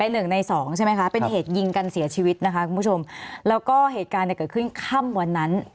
หนึ่งในสองใช่ไหมคะเป็นเหตุยิงกันเสียชีวิตนะคะคุณผู้ชมแล้วก็เหตุการณ์เนี่ยเกิดขึ้นค่ำวันนั้น